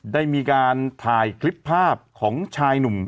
ได้มีการถ่ายคลิปภาพของชายหนุ่ม